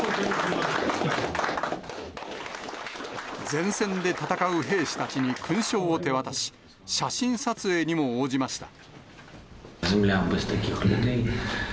前線で戦う兵士たちに勲章を手渡し、写真撮影にも応じました。